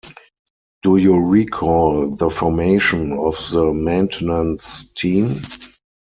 Do you recall the formation of the maintenance team?